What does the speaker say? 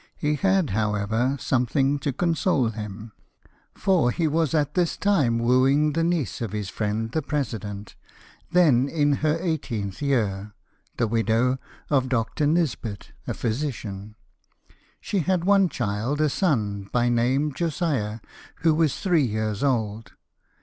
He had, however, something to console him, for he was at this time wooing the niece of his friend the president, then in her eighteenth year, the widow of Dr. Nisbet, a physician. She had one child, a son, by name Josiah, who was three years old.